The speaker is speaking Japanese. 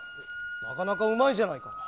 なかなかうまいじゃないか。